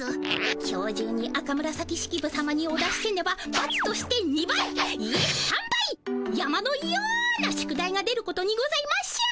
今日じゅうに赤紫式部さまにお出しせねばばつとして２倍いえ３倍山のような宿題が出ることにございましょう。